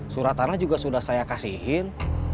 suratana juga sudah saya kasihin